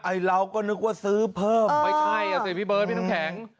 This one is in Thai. เราก็นึกว่าซื้อเพิ่มไม่ใช่อ่ะสิพี่เบิร์ดพี่น้ำแข็ง